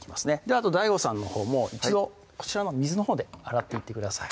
あとＤＡＩＧＯさんのほうも一度こちらの水のほうで洗っていってください